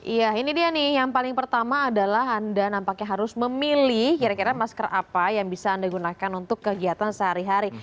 iya ini dia nih yang paling pertama adalah anda nampaknya harus memilih kira kira masker apa yang bisa anda gunakan untuk kegiatan sehari hari